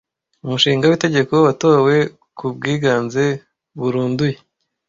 Umushinga w’itegeko watowe ku bwiganze burunduye.